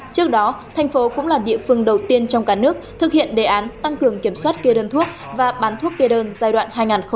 trước đó thành phố cũng là địa phương đầu tiên trong cả nước thực hiện đề án tăng cường kiểm soát kê đơn thuốc và bán thuốc kê đơn giai đoạn hai nghìn một mươi chín hai nghìn hai mươi